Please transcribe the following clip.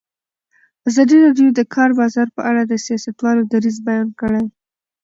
ازادي راډیو د د کار بازار په اړه د سیاستوالو دریځ بیان کړی.